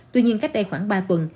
tuy nhiên cách đây khoảng ba tuần